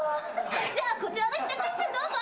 じゃあこちらの試着室にどうぞ。